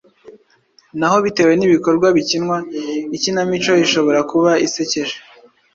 Naho bitewe n’ibikorwa bikinwa, ikinamico ishobora kuba isekeje,